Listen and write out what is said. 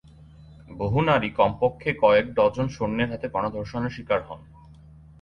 বহু নারী কমপক্ষে কয়েক ডজন সৈন্যের হাতে গণধর্ষণের শিকার হন।